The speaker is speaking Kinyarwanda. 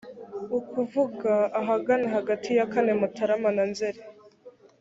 ukuvuga ahagana hagati ya kane mutarama na nzeri